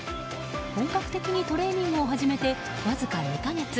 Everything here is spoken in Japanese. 本格的にトレーニングを始めてわずか２か月。